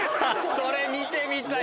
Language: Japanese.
それ見てみたい！